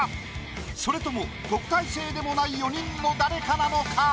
それとも特待生でもない４人の誰かなのか？